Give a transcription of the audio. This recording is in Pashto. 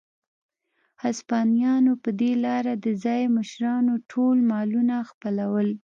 هسپانویانو په دې لارې د ځايي مشرانو ټول مالونه خپلول.